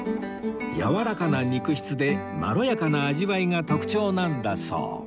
やわらかな肉質でまろやかな味わいが特徴なんだそう